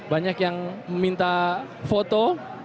banyak yang meminta foto